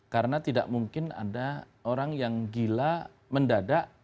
karena tidak mungkin ada orang yang gila mendadak